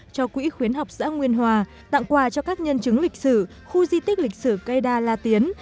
cho quỹ khuyến học xã nguyên hòa tặng quà cho các nhân chứng lịch sử khu di tích lịch sử cây đa la tiến